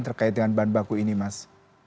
terkait dengan bahan baku ini mas